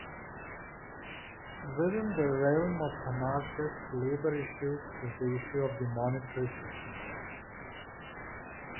Within the realm of anarchist labor issues is the issue of the monetary system.